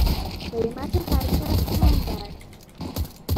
قیمت هر شب چند است؟